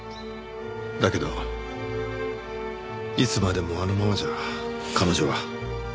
だけどいつまでもあのままじゃ彼女は。